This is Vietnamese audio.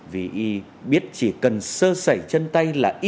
vì biết chỉ cần sơ sẩy chân tay